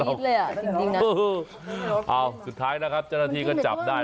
เอาสุดท้ายนะครับเจ้าหน้าที่ก็จับได้